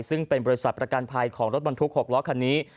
ซึ่งเป็นบริษัทประกันภัยของรถบรรทุก๖ล้อคันนี้